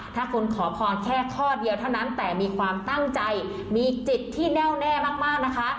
ถ้าคุณขอพรแค่ข้อเดียวเท่านั้นแต่มีความตั้งใจมีจิตที่แน่วแน่มากนะคะ